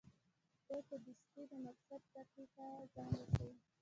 دی په دستي د مقصد ټکي ته ځان رسوي.